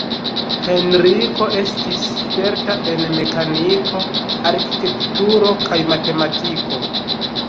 Henriko estis sperta en mekaniko, arkitekturo kaj matematiko.